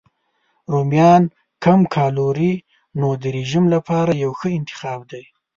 رومیان کم کالوري نو د رژیم لپاره یو ښه انتخاب دی.